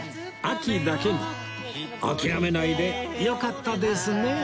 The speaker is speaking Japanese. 秋だけに諦めないでよかったですね